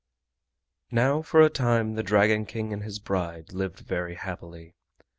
Now for a time the Dragon King and his bride lived very happily.